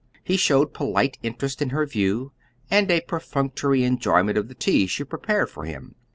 He showed polite interest in her view, and a perfunctory enjoyment of the tea she prepared for him.